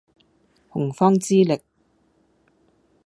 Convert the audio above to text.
洪荒之力